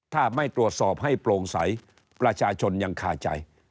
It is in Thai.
ถ้าไม่ตรวจสอบให้โปร่งใสประชาชนยังคาใจ